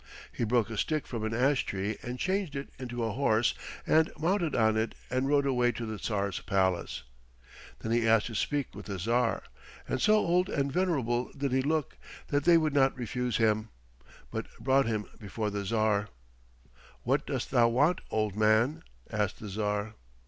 He broke a stick from an ash tree and changed it into a horse, and mounted on it and rode away to the Tsar's palace. Then he asked to speak with the Tsar, and so old and venerable did he look that they would not refuse him, but brought him before the Tsar. "What dost thou want, old man?" asked the Tsar.